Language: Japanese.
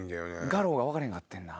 『牙狼』が分かれへんかってんな。